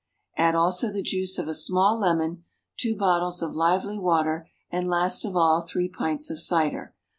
Add also the juice of a small lemon, two bottles of lively water, and (last of all) three pints of cider.